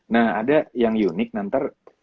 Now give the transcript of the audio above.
nah ada yang unik nanti